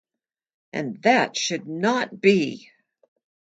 And that should not be!